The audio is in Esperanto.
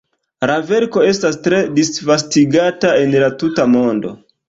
La verko estas tre disvastigata en la tuta mondo.